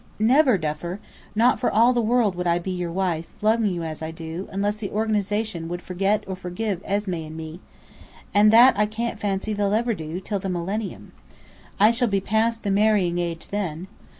"Never, Duffer! Not for all the world would I be your wife, loving you as I do, unless the organization would forget or forgive Esmé and me. And that I can't fancy they'll ever do, till the millenium. I shall be past the marrying age then!